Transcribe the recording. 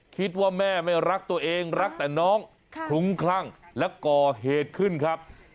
คิดว่าแม่ไม่รักตัวเองรักแต่น้องคลุ้มคลั่งและก่อเหตุขึ้นครับ